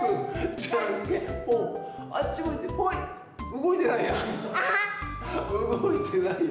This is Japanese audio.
うごいてないやん。